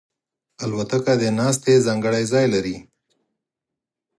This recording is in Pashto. الوتکه د ناستې ځانګړی ځای لري.